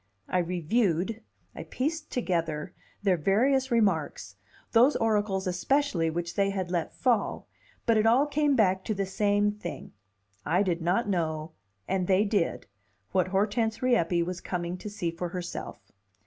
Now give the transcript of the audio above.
I reviewed, I pieced together, their various remarks, those oracles, especially, which they had let fall, but it all came back to the same thing. I did not know, and they did, what Hortense Rieppe was coming to see for herself.